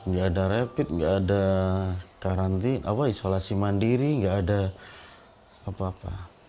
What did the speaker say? gak ada rapid gak ada karantina isolasi mandiri gak ada apa apa